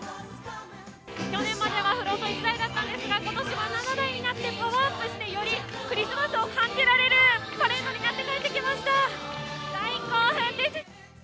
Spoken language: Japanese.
去年まではフロート１台だったんですけど今年は７台になってパワーアップしてよりクリスマスを感じられるパレードになって帰ってきました、大興奮です。